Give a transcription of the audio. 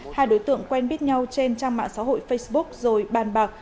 hai đối tượng quen biết nhau trên trang mạng xã hội facebook rồi bàn bạc